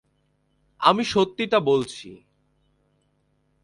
আমি সত্যিটা বলছি।